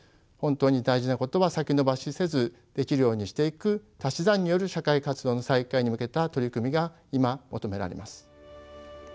本当に大事なことは先延ばしせずできるようにしていく足し算による社会活動の再開に向けた取り組みが今求められます。